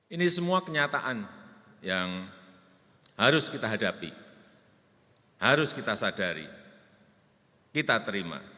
ini semua kenyataan yang harus kita hadapi harus kita sadari kita terima